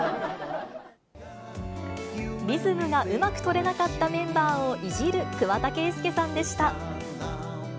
リズムがうまく取れなかったメンバーをいじる桑田佳祐さんでした。